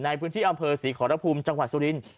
ในพื้นที่อำเภอศรีขอรภูมิจังหวัดสุรินทร์